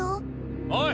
おい！